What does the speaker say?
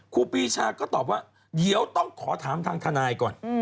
ครูปีชาก็ตอบว่าเดี๋ยวต้องขอถามทางทนายก่อน